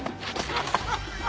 ハハハ！